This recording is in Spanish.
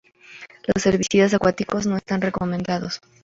Los herbicidas acuáticos no están recomendados.